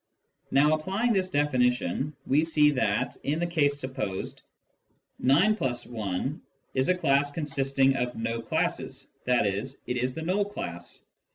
Now applying this definition, we see that, in the case supposed, 9+1 is a class consisting of no classes, i.e. it is the null class.